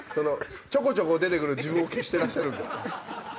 ちょこちょこ出て来る自分消してらっしゃるんですか？